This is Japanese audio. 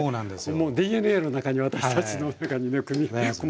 もうＤＮＡの中に私たちの中にね組み込まれてるのか。